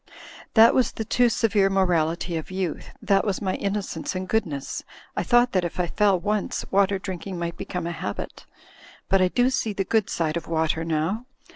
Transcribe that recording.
That was the too severe morality of youth; that was my inno cence and goodness. I thought that if I feU once, water drinking might become a habit. But I do see the good side of water now.